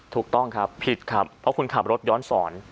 ถูกต้องครับผิดครับเพราะคุณขับรถย้อนสอน